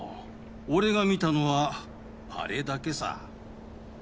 俺が見たのはアレだけさ。